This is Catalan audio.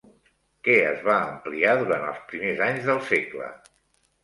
Què es va ampliar durant els primers anys del segle?